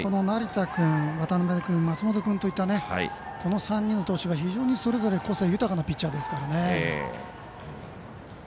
成田君渡邊君、松本君といったこの３人の投手が非常に個性豊かなピッチャーですからね。